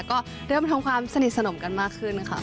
ก็เริ่มทำความสนิทสนมกันมากขึ้นค่ะ